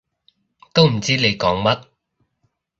都唔知你講乜